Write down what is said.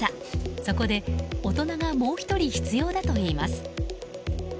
そこで、大人がもう１人必要だといいます。